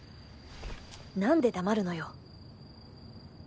何で黙るのよ。